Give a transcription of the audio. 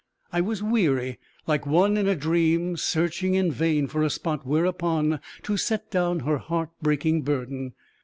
I was weary like one in a dream searching in vain for a spot whereupon to set down her heart breaking burden.